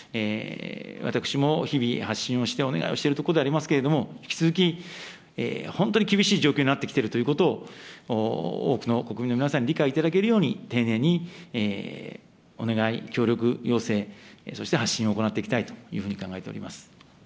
私も日々、発信をしてお願いをしているところでありますけれども、引き続き本当に厳しい状況になってきているということを、多くの国民の皆さんに理解いただけるように、丁寧にお願い、協力要請、そして発信を行っていきたいというふうに考えております。